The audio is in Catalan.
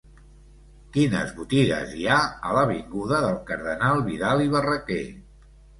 Quines botigues hi ha a l'avinguda del Cardenal Vidal i Barraquer?